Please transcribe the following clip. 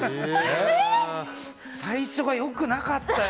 最初が良くなかったよ。